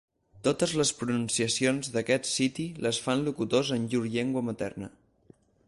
Totes les pronunciacions d'aquest siti les fan locutors en llur llengua materna.